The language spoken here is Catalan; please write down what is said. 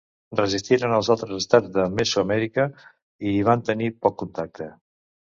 Resistiren als altres estats de Mesoamèrica i hi van tenir poc contacte.